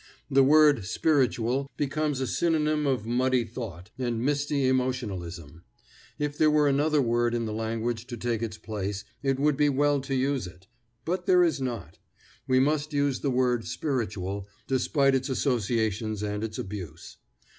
The word 'spiritual' becomes a synonym of muddy thought and misty emotionalism. If there were another word in the language to take its place, it would be well to use it. But there is not. We must use the word 'spiritual,' despite its associations and its abuse.